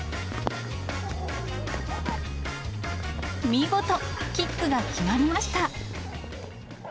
見事、キックが決まりました。